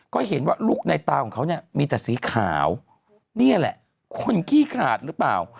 ก็เห็นว่าลูกในตาของเขาเนี่ยมีแต่สีขาวนี่แหละคนขี้ขาดหรือเปล่า